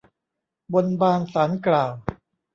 บนบานศาลกล่าว